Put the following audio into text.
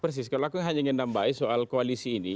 persis kalau aku hanya ingin nambahin soal koalisi ini